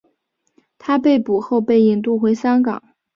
他被捕后被引渡回香港。